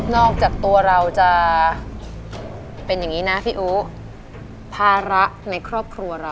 อกจากตัวเราจะเป็นอย่างนี้นะพี่อู๋ภาระในครอบครัวเรา